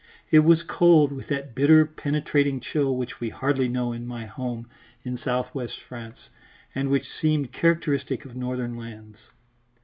It was cold, with that bitter, penetrating chill which we hardly know in my home in south west France, and which seemed characteristic of northern lands.